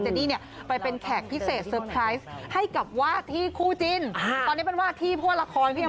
ตอนนี้เป็นวากที่เพราะละครยังไม่ออนพี่แกง